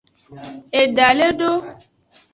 Eda le do.